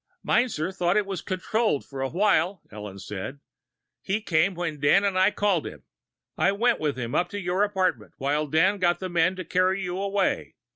"Meinzer thought it was controlled, for a while," Ellen said. "He came when Dan and I called him. I went with him up to your apartment, while Dan got the men to carry you away.